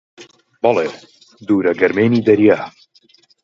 بەڵێ: دوورە گەرمێنی دەریا